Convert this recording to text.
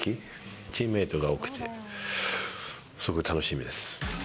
チームメートが多くて、すごい楽しみです。